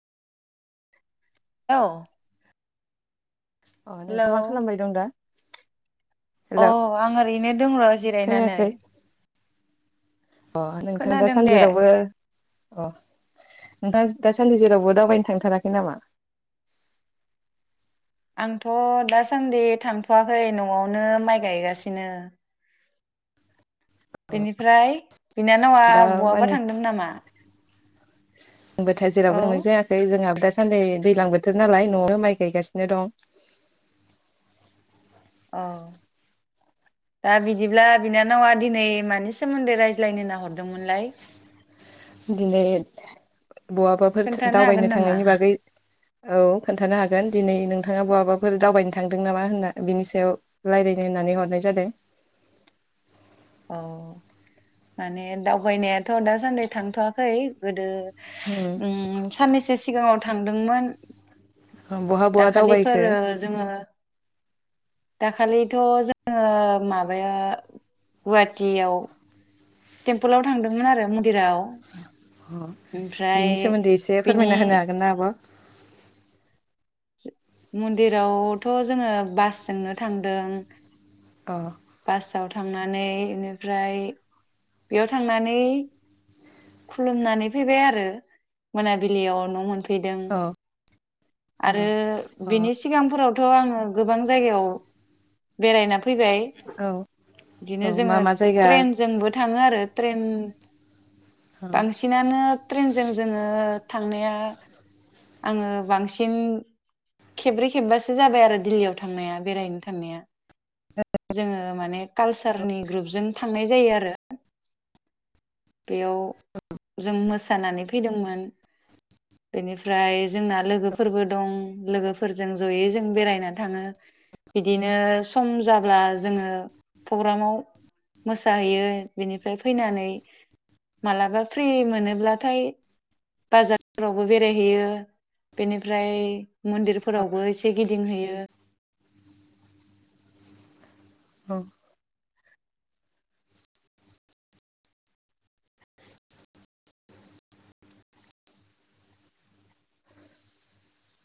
औ अ नोंथ' मा खालामबाय दं दा औ हेलौ आं ओरैनो दों जिरायनानै खोनायाखै अ नोंथां दा खोनादों सान दे जेरावबो अ नोंथाङा दासान्दि जेरावबो दावबायनो थांथाराखै नामा आंथ' दासान्दि थांथ'वाखै न'आवनो माइ गायगासिनो बेनिफ्राय बिनानावा दा बहाबा मानि थांदोंमोन नामा होनोमबाथाय औ जेरावबो थांनाय जायाखै जोंहाबो दासान्दि दैलां बोथोर नालाय न'आव माइ गायगासिनो दं औ दा बिदिब्ला बिनानावा दिनै मानि सोमोन्दै रायज्लायनो होनना हरदोंमोनलाय दिनै बहाबाफोर खोन्थानो हागोन दावबायनो नामा थांनायनि बागै औ खोन्थानो हागोन दिनै नोंथाङा बहाबाफोर दावबायनो थांदों नामा होनना बिनि सायाव रायज्लायनो होननानै हरनाय जादों अ माने दावबायनायाथ' दासान्दि थांथ'वाखै गोदो उम साननैसो सि सिगाङाव थांदोंमोन बहा बहा दाखालिफोर दावबायखो जोङो दाखालिथ' जोङो माबाया गुवाहाटियाव टेम्पोलाव थांदोंमोन आरो मन्दिराव ओमफ्राय बिनि सोमोन्दै एसे बिनि फोरमायना होनो हागोन ना आब' मन्दिरावथ' जोङो बासजोंनो थांदों अ आव थांनानै बेनिफ्राय बेयाव थांनानै खुलुमनानै फैबाय आरो मोनाबिलियाव न' मोन फैदों अ आरो बेनि सिगांफोराव थ' आङो गोबां जायगायाव बेरायना फैबाय अ औ औ बिदिनो मा जोङो मा जायगा ट्रेनजोंबो थाङो आरो ट्रेन औ बांसिनानो ट्रेन जों जोङो थांनाया आङो बांसिन खब्रै खेबासो जाबाय आरो दिल्लीयाव थांनाय बेरायनो थांनाय जोङो माने कालचारनि ग्रजों थांनाय जायो आरो बेयाव जों मोसानानै फैदोंमोन बेनिफ्राय जोंना लोगो फोरबो दं लोगोफोरजों ज'यै जों बेरायनानै थाङो बिदिनो सम जाब्ला जोङो प्रग्रामाव मोसाहैयो बिनिफ्राय फैनानै मालाबा फ्रि मोनोब्लाथाय बाजारफोरावबो बेरायहैयो बेनिफ्राय मन्दिरफोरावबो एसे गिदिंहैयो औ